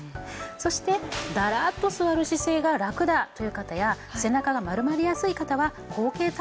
そしてダラッと座る姿勢がラクだという方や背中が丸まりやすい方は後傾タイプの方が多いんですね。